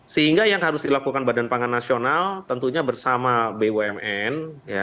sehingga yang harus dilakukan badan pangan nasional tentunya bersama bumn